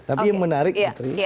tapi yang menarik putri